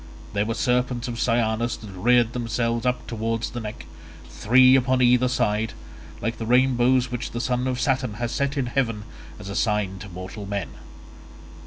There were serpents of cyanus that reared themselves up towards the neck, three upon either side, like the rainbows which the son of Saturn has set in heaven as a sign to mortal men.